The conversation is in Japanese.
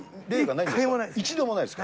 一度もないんですか。